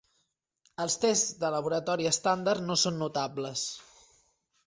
Els tests de laboratori estàndard no són notables.